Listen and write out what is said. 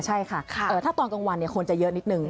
ใช่ค่ะถ้าตอนกลางวันคนจะเยอะนิดนึง